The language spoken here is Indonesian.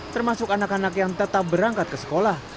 termasuk anak anak yang tetap berangkat ke sekolah